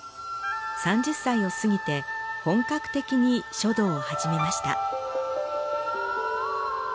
３０歳を過ぎて本格的に書道を始めました。